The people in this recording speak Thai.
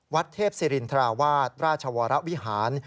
วัดเทพศิรินทราวาสราชวรวิหาร